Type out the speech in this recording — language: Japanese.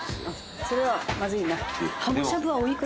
それはまずいな。